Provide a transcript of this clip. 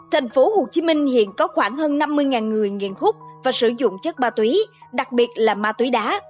thành phố hồ chí minh hiện có khoảng hơn năm mươi người nghiện khúc và sử dụng chất ma túy đặc biệt là ma túy đá